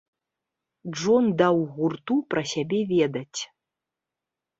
Джон даў гурту пра сябе ведаць.